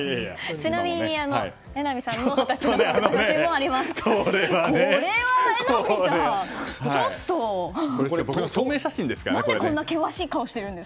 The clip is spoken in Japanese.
ちなみに榎並さんの写真もあります。